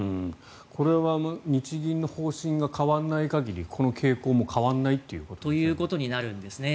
これは日銀の方針が変わらない限りこの傾向も変わらないということですか？ということになるんですね